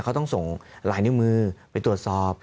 เขาต้องส่งลายนิ้วมือไปตรวจสอบ